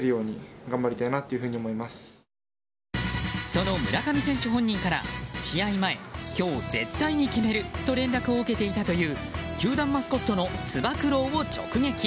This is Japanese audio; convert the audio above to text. その村上選手本人から試合前、今日絶対に決める！と連絡を受けていたという球団マスコットのつば九郎を直撃。